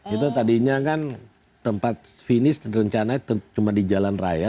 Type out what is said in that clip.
itu tadinya kan tempat finish rencana cuma di jalan raya